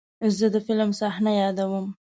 زه د فلم صحنه یادوم.